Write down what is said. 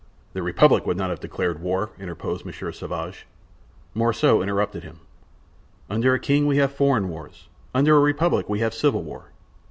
"The Republic would not have declared war," interposed Monsieur Sauvage. Morissot interrupted him: "Under a king we have foreign wars; under a republic we have civil war."